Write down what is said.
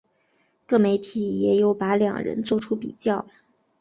各媒体也有把两人作出比较。